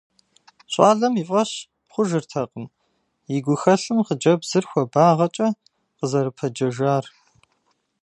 Щӏалэм и фӀэщ хъужыртэкъым и гухэлъым хъыджэбзыр хуабагъэкӀэ къызэрыпэджэжар.